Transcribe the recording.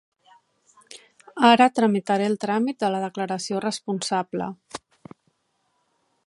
Ara tramitaré el tràmit de la declaració responsable.